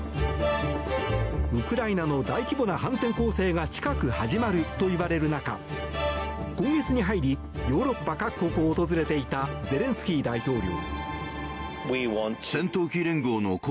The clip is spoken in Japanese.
ウクライナの大規模な反転攻勢が近く始まるといわれる中今月に入りヨーロッパ各国を訪れていたゼレンスキー大統領。